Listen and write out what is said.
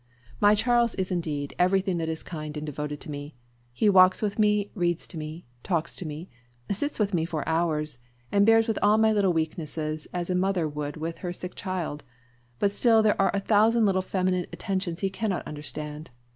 "My Charles is, indeed, everything that is kind and devoted to me. He walks with me, reads to me, talks to me, sits with me for hours, and bears with all my little weaknesses as a mother would with her sick child; but still there are a thousand little feminine attentions he cannot understand.